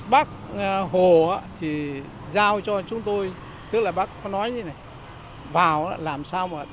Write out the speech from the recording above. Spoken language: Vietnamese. bác hồ thì giao cho chúng tôi tức là bác có nói như thế này vào làm sao mà